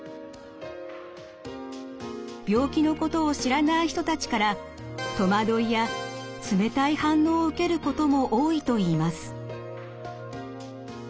病気のことを知らない人たちから戸惑いや冷たい反応を受けることも多いといいます。